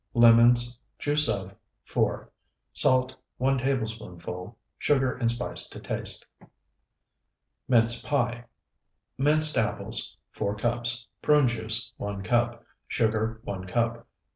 Lemons, juice of, 4. Salt, 1 tablespoonful. Sugar and spice to taste. MINCE PIE Minced apples, 4 cups. Prune juice, 1 cup. Sugar, 1 cup.